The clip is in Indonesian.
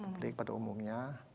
publik pada umumnya